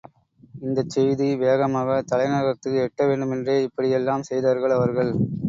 இந்தச் செய்தி வேகமாகத் தலைநகரத்துக்கு எட்ட வேண்டுமென்றே இப்படி எல்லாம் செய்தார்கள் அவர்கள்.